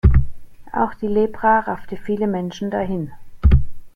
Auch die Lepra raffte viele Menschen dahin.